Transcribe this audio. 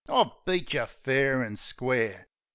I've beat you fair an' square